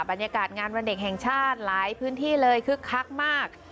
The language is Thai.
บรรยากาศงานวันเด็กแห่งชาติหลายพื้นที่เลยคึกคักมาก